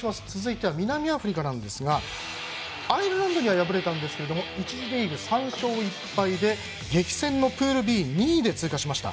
続いて、南アフリカですがアイルランドには敗れたんですが１次リーグ、３勝１敗で激戦のプールＢ２位で通過しました。